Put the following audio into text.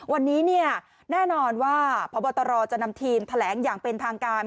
วันนี้แน่นอนว่าพบตรจะนำทีมแถลงอย่างเป็นทางการ